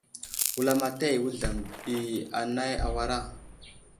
Wulamataya i Wuzlam ɗi anay awara.